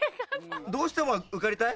どうしても受かりたい？